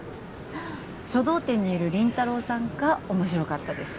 書道展にいる林太郎さんが面白かったです